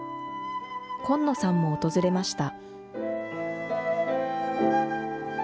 金野さんも訪れました。